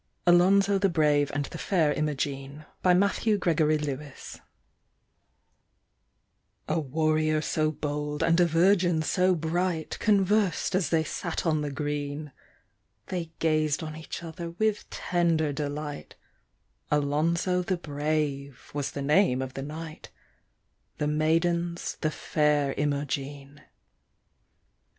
ALONZO THE BRAVE AND THE FAIR IMOGENE. A warrior so bold and a virgin so bright, Conversed as they sat on the green; They gazed on each other with tender delight; Alonzo the Brave was the name of the knight, The maiden's the Fair Imogene.